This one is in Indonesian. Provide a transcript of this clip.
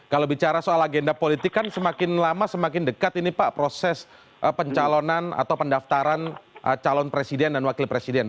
kalau bicara soal agenda politik kan semakin lama semakin dekat ini pak proses pencalonan atau pendaftaran calon presiden dan wakil presiden